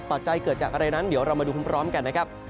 ปัจจัยเกิดจากอะไรนั้นเดี๋ยวเรามาดูพร้อมกันนะครับ